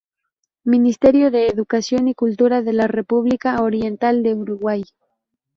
Ministerio de Educación y Cultura de la República Oriental del Uruguay.